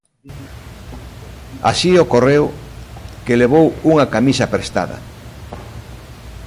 Así ocorreu que levou unha camisa prestada.